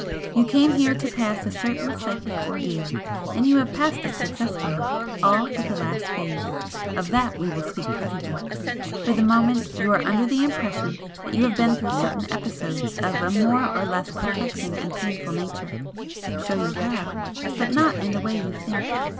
You came here to pass a certain psychic ordeal and you have passed it successfully all but the last phase. Of that we will speak presently. For the moment you are under the impression that you have been through certain episodes of a more or less perplexing and painful nature. So you have but not in the way you think.